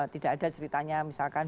tidak ada ceritanya misalkan